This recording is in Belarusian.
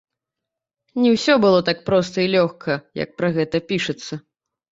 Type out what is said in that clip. Не ўсё было так проста і лёгка, як пра гэта пішацца.